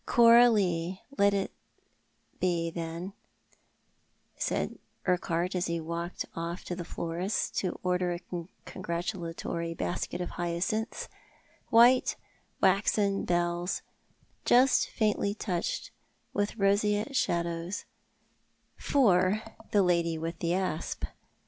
" Coralie, let it be then," said Urquhart, as he walked off to the florist's to order a congratulatory basket of hyacinths — white waxen bells, just faintly touched with roseate shadows — for the lady with the asp.